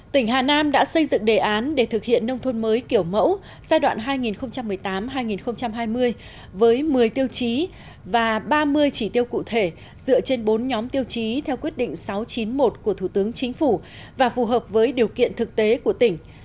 tỉnh hà nam đã xây dựng đề án để thực hiện nông thôn mới kiểu mẫu giai đoạn hai nghìn một mươi tám hai nghìn hai mươi với một mươi tiêu chí và ba mươi chỉ tiêu cụ thể dựa trên bốn nhóm tiêu chí theo quyết định sáu trăm chín mươi một của thủ tướng chính phủ và phù hợp với điều kiện thực tế của tỉnh